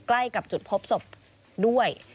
ใกล้กับจุดพบศพด้วย